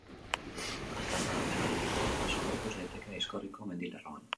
Aztarna megalitiko asko ikus daiteke Aizkorriko mendilerroan.